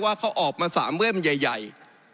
ว่าเขาออกมา๓เวลเยอะใหญ่